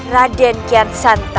raden kian santa